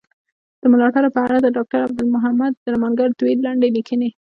د ملاتړ په اړه د ډاکټر عبدالمحمد درمانګر دوې لنډي ليکني.